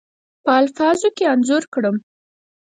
په الفاظو کې انځور کړم.